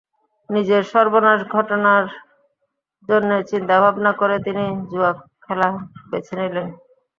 নিজের সর্বনাশ ঘটানোর জন্য চিন্তাভাবনা করে তিনি জুয়া খেলা বেছে নিলেন।